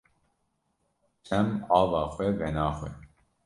Çem ava xwe venaxwe.